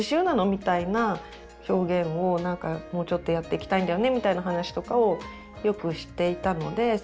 みたいな表現をもうちょっとやっていきたいんだよねみたいな話とかをよくしていたので見つけたっていうか。